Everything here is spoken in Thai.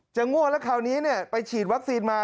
จะง่วงแล้วคราวนี้เนี่ยไปฉีดวัคซีนมา